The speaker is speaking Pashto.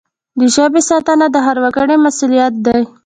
د ژبي ساتنه د هر وګړي مسؤلیت دی.